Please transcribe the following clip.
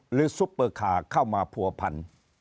ซุปเปอร์คาร์เข้ามาผัวพัน